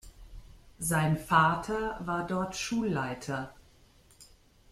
Sein Vater war dort Schulleiter.